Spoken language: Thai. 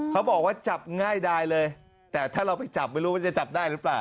เขาบอกว่าจับง่ายดายเลยแต่ถ้าเราไปจับไม่รู้ว่าจะจับได้หรือเปล่า